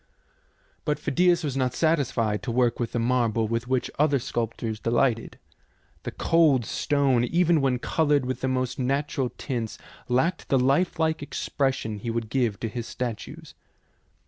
But Phidias was not satisfied to work with the marble with which other sculptors delighted. The cold stone, even when coloured with the most natural tints, lacked the lifelike expression he would give to his statues.